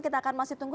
kita akan masih tunggu